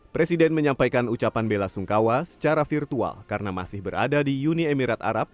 presiden menyampaikan ucapan bela sungkawa secara virtual karena masih berada di uni emirat arab